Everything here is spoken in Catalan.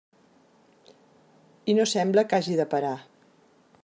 I no sembla que hagi de parar.